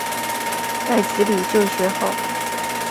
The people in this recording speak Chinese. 在子女就学后